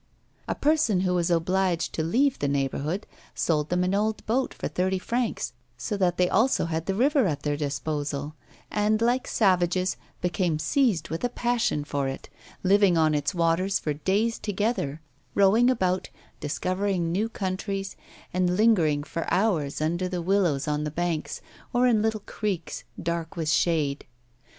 A person who was obliged to leave the neighbourhood sold them an old boat for thirty francs, so that they also had the river at their disposal, and, like savages, became seized with a passion for it, living on its waters for days together, rowing about, discovering new countries, and lingering for hours under the willows on the banks, or in little creeks, dark with shade.